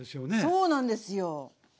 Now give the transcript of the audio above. そうなんですよ。ね！